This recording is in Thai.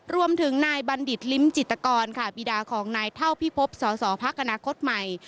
รวมถึงนายบัณฑิตลิ้มจิตกรค่ะบีดาของนายเท่าพิพบสสพักอนาคตใหม่